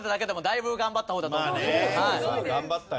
頑張ったよ。